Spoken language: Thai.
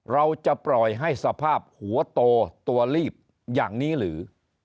เราจะปล่อยให้สภาพหัวโตตัวลีบอย่างนี้หรือ